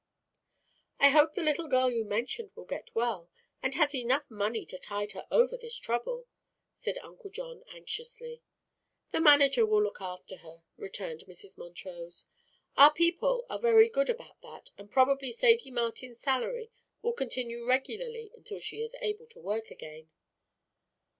"I hope the little girl you mentioned will get well, and has enough money to tide her over this trouble," said Uncle John anxiously. "The manager will look after her," returned Mrs. Montrose. "Our people are very good about that and probably Sadie Martin's salary will continue regularly until she is able to work again."